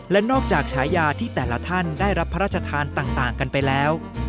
และนอกจากฉายาที่แต่ละท่านได้รับพระราชทานต่างกันไปแล้ว